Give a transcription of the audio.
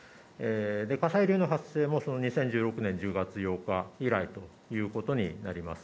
火砕流の発生もその２０１６年１０月８日以来ということになります。